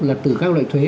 là từ các loại thuế